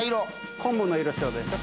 昆布の色しとるでしょ？